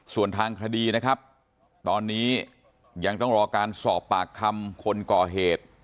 ส่วนทางคดีนะครับตอนนี้ยังต้องรอการสอบปากคำคนก่อเหตุ